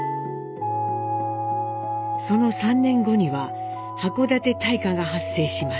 その３年後には函館大火が発生します。